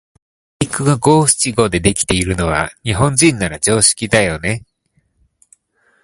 俳句が五七五でできているのは、日本人なら常識だよね。